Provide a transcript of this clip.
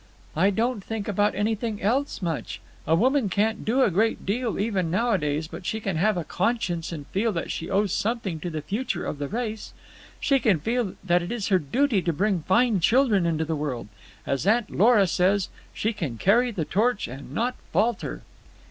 "I don't think about anything else much. A woman can't do a great deal, even nowadays, but she can have a conscience and feel that she owes something to the future of the race. She can feel that it is her duty to bring fine children into the world. As Aunt Lora says, she can carry the torch and not falter."